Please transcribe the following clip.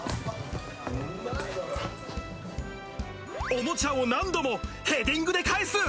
おもちゃを何度もヘディングで返す。